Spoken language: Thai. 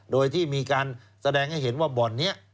โดยที่มีการแสดงให้เห็นว่าบ่อนนี้